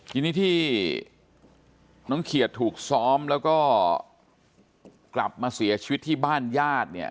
ทีนี้ที่น้องเขียดถูกซ้อมแล้วก็กลับมาเสียชีวิตที่บ้านญาติเนี่ย